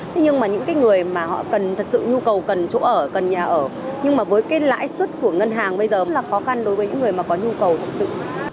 thế nhưng mà những cái người mà họ cần thật sự nhu cầu cần chỗ ở cần nhà ở nhưng mà với cái lãi suất của ngân hàng bây giờ cũng là khó khăn đối với những người mà có nhu cầu thật sự